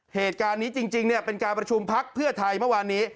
เหตุการณ์นี้จริงเป็นการประชุมพักเพื่อไทยเมื่อวานนี้